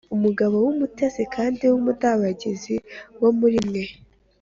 “Umugabo w’umutesi kandi w’umudabagizi wo muri mwe,